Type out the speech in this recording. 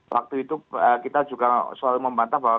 waktu itu kita juga selalu membantah bahwa